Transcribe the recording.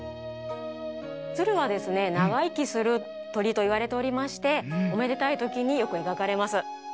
つるはですねながいきするとりといわれておりましておめでたいときによくえがかれます。